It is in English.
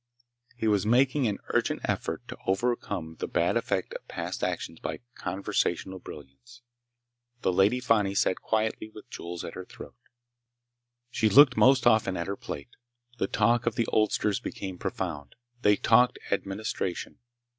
He was making an urgent effort to overcome the bad effect of past actions by conversational brilliance. The Lady Fani sat quietly with jewels at her throat. She looked most often at her plate. The talk of the oldsters became profound. They talked administration.